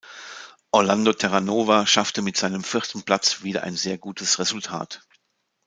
Orlando Terranova schaffte mit seinem vierten Platz wieder ein sehr gutes Resultat.